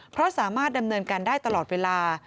เพราะสามารถดำเนินการได้ตลอดเวลา